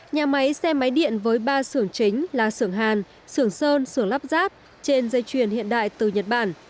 nhà máy xe máy điện với ba xưởng chính là xưởng hàn xưởng sơn xưởng lắp giáp trên dây chuyền hiện đại từ nhật bản